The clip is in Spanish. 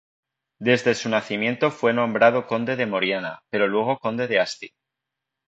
Desde su nacimiento fue nombrado Conde de Moriana, pero luego Conde de Asti.